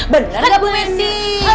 bener gak boleh sih